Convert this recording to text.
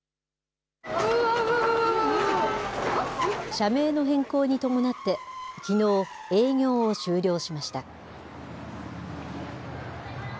社名の変更に伴ってきのう、営業を終了しました。